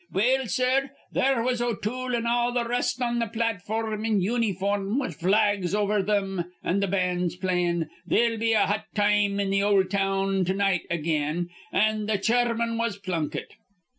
"Well, sir, there was O'Toole an' all th' rest on th' platform in unyform, with flags over thim, an' the bands playin' 'They'll be a hot time in th' ol' town to night again'; an' th' chairman was Plunkett.